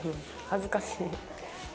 恥ずかしい。